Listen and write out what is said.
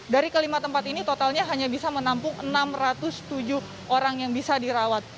dari kelima tempat ini totalnya hanya bisa menampung enam ratus tujuh orang yang bisa dirawat